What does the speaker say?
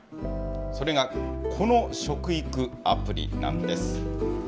それがこの食育アプリなんです。